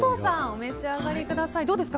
お召し上がりください。